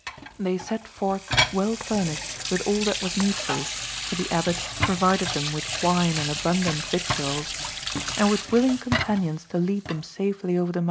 They set forth well furnished with all that was needful, for the Abbot provided them with wine and abundant victuals,(8) and with willing companions to lead them safely over the mountains.